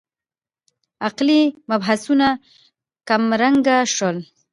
عقلي مبحثونه کمرنګه شول.